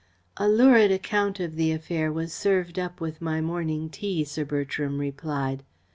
"A lurid account of the affair was served up with my morning tea," Sir Bertram replied.